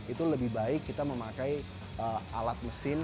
itu lebih baik kita memakai alat mesin